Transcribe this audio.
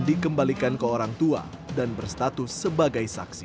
dikembalikan ke orang tua dan berstatus sebagai saksi